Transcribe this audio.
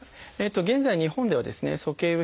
現在日本ではですね鼠径部